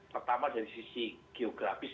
pertama dari sisi geografis